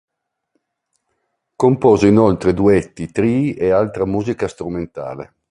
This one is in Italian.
Compose inoltre duetti, trii e altra musica strumentale.